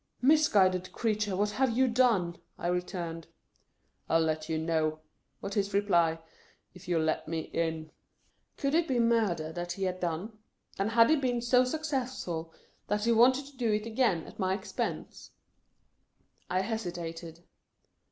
" Misguided creature, what have you done ?" I returned. "I'll let you know," was his reply, "if you '11 let me in." Could it be murder that he had done ? And had he been so successful that he wanted to do it again, at my expense 1 I hesitated.